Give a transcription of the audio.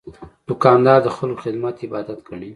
دوکاندار د خلکو خدمت عبادت ګڼي.